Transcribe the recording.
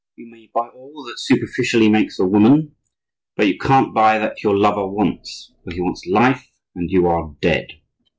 "You may buy all that superficially makes a woman, but you can't buy that your lover wants; for he wants life, and you are dead."